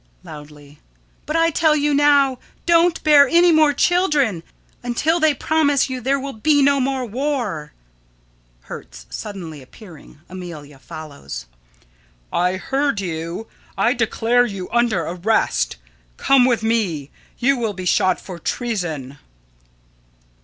[Loudly.] But I tell you now, don't bear any more children until they promise you there will be no more war. Hertz: [Suddenly appearing. Amelia follows.] I heard you. I declare you under arrest. Come with me. You will be shot for treason.